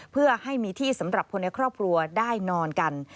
เพื่อให้มีที่สำหรับคนในครอบครัวได้นอนกัน